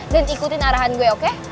dan ikutin arahan gue oke